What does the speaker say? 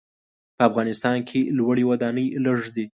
په افغانستان کې لوړې ودانۍ لږ دي.